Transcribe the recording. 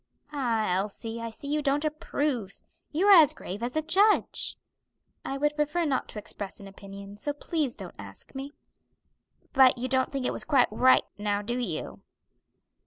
Ah, Elsie, I see you don't approve; you are as grave as a judge." "I would prefer not to express an opinion; so please don't ask me." "But you don't think it was quite right, now do you?"